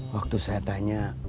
waktu saya tanya